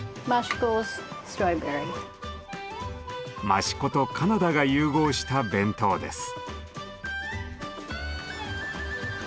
益子とカナダが融合した弁当です。